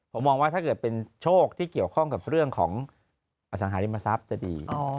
ผมมองว่าถ้าเกิดเป็นโชคที่เกี่ยวข้องกับเรื่องของอสังหาริมทรัพย์จะดี